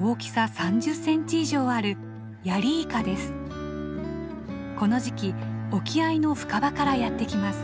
大きさ３０センチ以上あるこの時期沖合の深場からやって来ます。